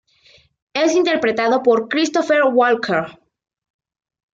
Es interpretado por Christopher Walken.